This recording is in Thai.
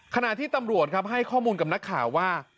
ขณะที่ตำรวจครับให้ข้อมูลกับนักข่าวว่า